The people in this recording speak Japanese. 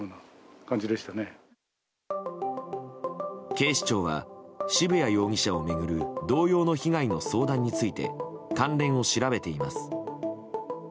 警視庁は渋谷容疑者を巡る同様の被害の相談について関連を調べています。